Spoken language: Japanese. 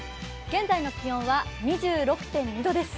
現在の気温は２６．２度です。